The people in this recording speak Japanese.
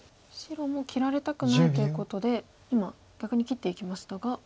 白も切られたくないということで今逆に切っていきましたが。